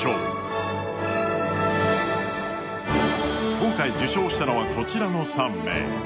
今回受賞したのはこちらの３名。